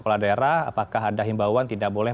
kepala daerah apakah ada himbauan tidak boleh